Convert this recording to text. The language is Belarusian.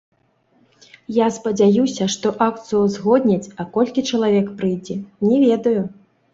Я спадзяюся, што акцыю ўзгодняць, а колькі чалавек прыйдзе, не ведаю.